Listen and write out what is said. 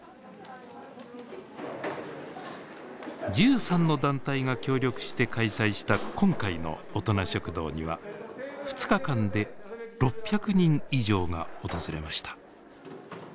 １３の団体が協力して開催した今回の大人食堂には２日間で６００人以上が訪れました。